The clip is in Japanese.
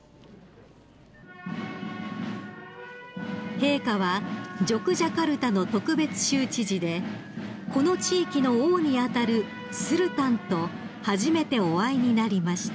［陛下はジョクジャカルタの特別州知事でこの地域の王に当たるスルタンと初めてお会いになりました］